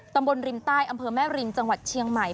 ตำบลริมใต้อำเภอแม่ริมจังหวัดเชียงใหม่